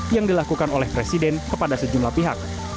yang dilakukan oleh presiden kepada sejumlah pihak